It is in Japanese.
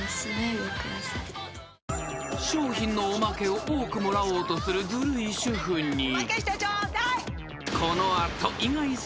［商品のおまけを多くもらおうとするずるい主婦に］